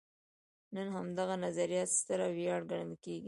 نن همدغه نظریه ستره ویاړ ګڼل کېږي.